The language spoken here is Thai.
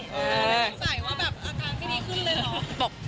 อาการที่นี่ขึ้นเลยเหรอ